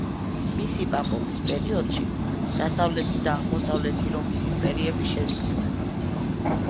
მისი პაპობის პერიოდში დასავლეთი და აღმოსავლეთი რომის იმპერიები შერიგდნენ.